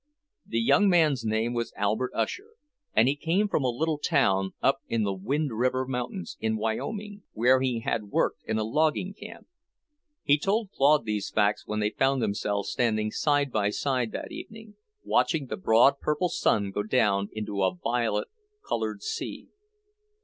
The young man's name was Albert Usher, and he came from a little town up in the Wind River mountains, in Wyoming, where he had worked in a logging camp. He told Claude these facts when they found themselves standing side by side that evening, watching the broad purple sun go down into a violet coloured sea.